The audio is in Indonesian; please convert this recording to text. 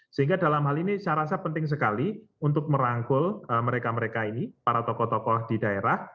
sehingga dalam hal ini saya rasa penting sekali untuk merangkul mereka mereka ini para tokoh tokoh di daerah